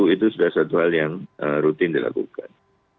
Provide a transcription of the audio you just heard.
itu sudah satu hal yang rutin dilakukan